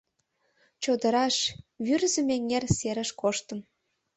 Чодыраш, Вӱрзым эҥер серыш коштым.